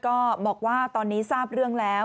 ก็บอกว่าตอนนี้ทราบเรื่องแล้ว